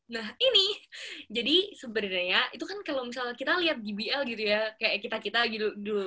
nah ini jadi sebenarnya itu kan kalau misalnya kita lihat gbl gitu ya kayak kita kita gitu dulu